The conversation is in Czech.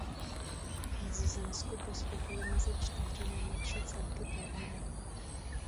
Nizozemsko postoupilo mezi čtyři nejlepší celky turnaje.